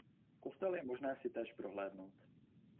Kostel je možné si též prohlédnout.